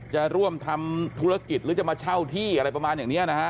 จะร่วมทำธุรกิจหรือจะมาเช่าที่อะไรประมาณอย่างนี้นะฮะ